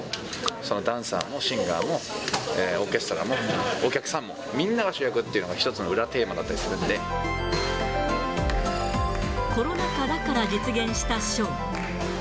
そのダンサーもシンガーも、オーケストラもお客さんも、みんなが主役っていうのが、コロナ禍だから実現したショー。